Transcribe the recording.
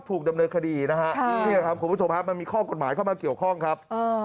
ถูกดำเนินคดีนะฮะนี่ครับคุณผู้ชมครับมันมีข้อกฎหมายเข้ามาเกี่ยวข้องครับ